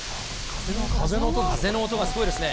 風の音がすごいですね。